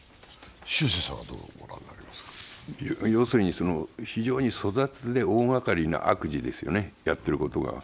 要するに非常に粗雑で大がかりな悪事ですよね、やっていることが。